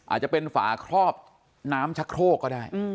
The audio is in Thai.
อาจจะเป็นฝาครอบน้ำชักโครกก็ได้